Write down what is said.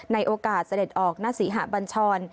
ในโอกาสเสด็จออกณศรีหะบัญชร